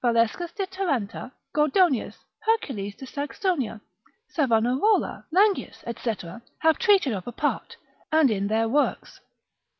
Valescus de Taranta, Gordonius, Hercules de Saxonia, Savanarola, Langius, &c., have treated of apart, and in their works.